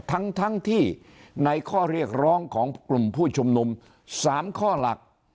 ทั้งที่ในข้อเรียกร้องของกลุ่มผู้ชุมนุม๓ข้อหลัก